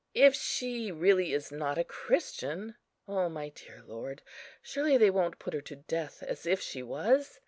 If she really is not a Christian, O my dear Lord, surely they won't put her to death as if she was?"